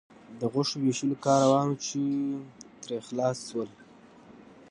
د غوښې د وېشلو کار روان و، چې ترې خلاص شول.